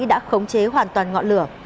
đã khống chế hoàn toàn ngọn lửa